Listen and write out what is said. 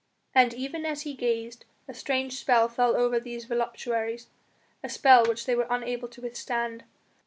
And even as he gazed a strange spell fell over these voluptuaries; a spell which they were unable to withstand.